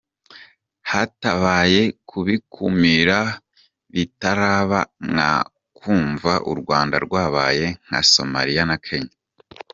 Hatabaye kubikumira bitaraba mwakumva u Rwanda rwabaye nka Somalia na Kenya.